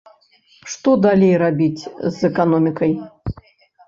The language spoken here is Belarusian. Што далей рабіць з эканомікай?